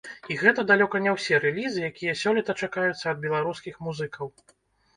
І гэта далёка не ўсе рэлізы, якія сёлета чакаюцца ад беларускіх музыкаў.